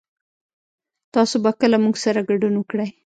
تاسو به کله موږ سره ګډون وکړئ